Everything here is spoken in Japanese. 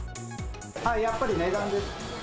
やっぱり値段です。